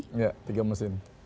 iya tiga mesin